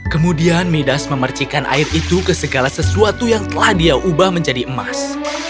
kemudian midas memercikan air itu ke segala sesuatu yang telah dia ubah menjadi emas